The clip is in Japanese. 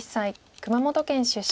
熊本県出身。